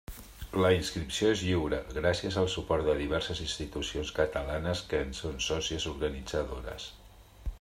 La inscripció es lliure, gràcies al suport de diverses institucions catalanes que en són sòcies organitzadores.